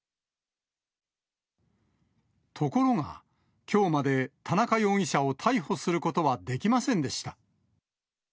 ところが、きょうまで田中容疑者を逮捕することはできませんでした。